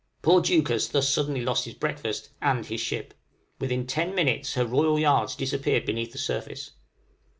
Poor Deuchars thus suddenly lost his breakfast and his ship; within ten minutes her royal yards disappeared beneath the surface.